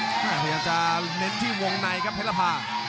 พยายามจะเน้นที่วงในครับเพชรภา